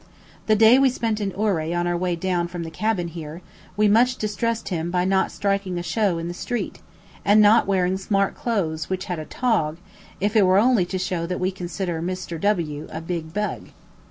The day we spent in Ouray on our way down from the cabin here, we much distressed him by not "striking a show" in the street, and not wearing smart clothes which had a "tong," if it were only to show that we consider Mr. W a "big bug."